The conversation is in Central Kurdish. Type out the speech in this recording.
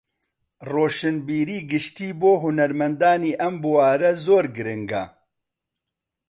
ڕۆشنبیریی گشتی بۆ هونەرمەندانی ئەم بوارە زۆر گرنگە